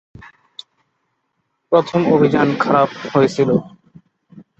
প্রথম অভিযান খারাপ হয়েছিল।